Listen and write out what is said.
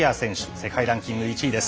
世界ランキング１位です。